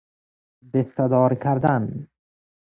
دسته دار کردن